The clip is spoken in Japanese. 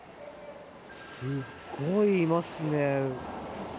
すごいいますね。